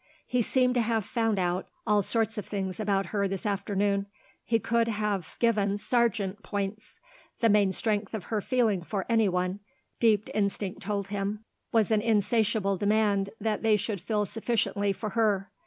He seemed to have found out all sorts of things about her this afternoon: he could have given Sargent points. The main strength of her feeling for anyone, deep instinct told him, was an insatiable demand that they should feel sufficiently for her.